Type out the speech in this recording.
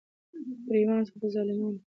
ګريوان څخه دظالمانو دلاسونو ليري كول دي ،